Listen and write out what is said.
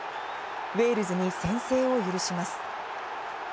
ウェールズに先制を許します。